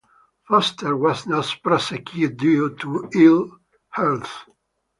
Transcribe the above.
Foster was not prosecuted due to ill health.